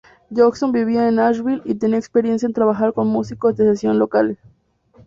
Johnston vivía en Nashville y tenía experiencia en trabajar con músicos de sesión locales.